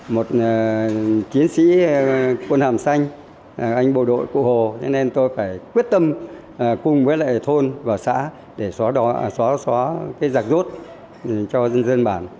một chiến sĩ quân hàm xanh anh bộ đội cụ hồ nên tôi phải quyết tâm cùng với lại thôn và xã để xóa rạc rốt cho dân dân bản